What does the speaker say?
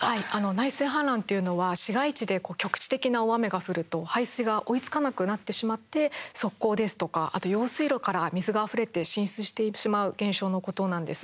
内水氾濫というのは市街地で局地的な大雨が降ると排水が追いつかなくなってしまって側溝ですとか、あと用水路から水があふれて浸水してしまう現象のことなんです。